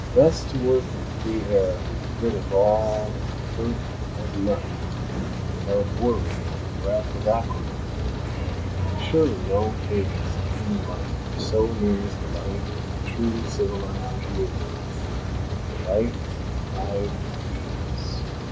Thus to work in the free air for the good of all and the hurt of none, without worry or the breath of acrimony—surely no phase of human life so nears the life of the truly civilised community—the life of a hive of bees.